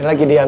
ini lagi dia